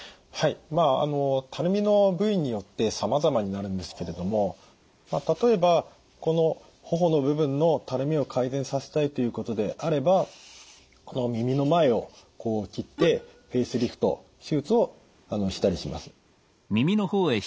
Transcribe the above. まあたるみの部位によってさまざまになるんですけれども例えばこの頬の部分のたるみを改善させたいということであればこの耳の前をこう切ってフェイスリフト手術をしたりします。